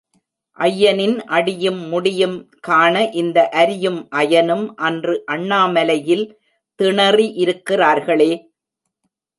ஐயனின் அடியும் முடியும் காண இந்த அரியும் அயனும் அன்று அண்ணாமலையில் திணறி இருக்கிறார்களே.